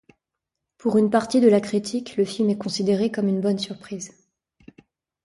Pour une partie de la critique, le film est considéré comme une bonne surprise.